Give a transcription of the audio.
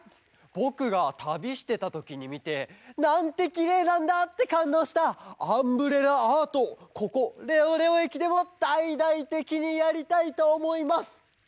ぼくがたびしてたときにみて「なんてきれいなんだ！」ってかんどうした「アンブレラアート」をここレオレオえきでもだいだいてきにやりたいとおもいます！